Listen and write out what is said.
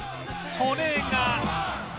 それが